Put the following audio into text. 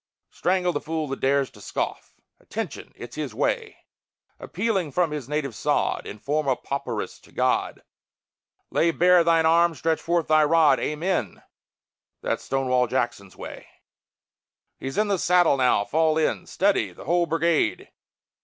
Strangle the fool that dares to scoff! Attention! it's his way. Appealing from his native sod, In forma pauperis to God: "Lay bare Thine arm; stretch forth Thy rod! Amen!" That's "Stonewall's way." He's in the saddle now. Fall in! Steady! the whole brigade!